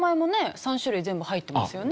３種類全部入ってますよね。